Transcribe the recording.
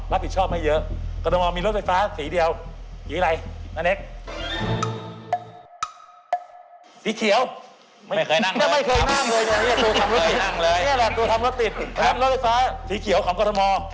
รถไฟฟ้าสีเขียวของกฎม